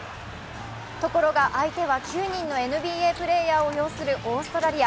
ところが相手は９人のＮＢＡプレーヤーを擁するオーストラリア。